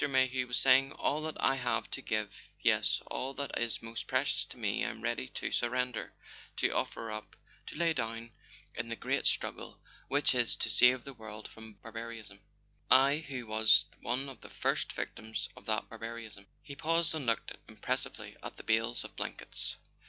Mayhew was saying: "All that I have to give, yes, all that is most precious to me, I am ready to surrender, to offer up, to lay down in the Great Strug¬ gle which is to save the world from barbarism. I, who was one of the first Victims of that barbarism. .." He paused and looked impressively at the bales of blankets.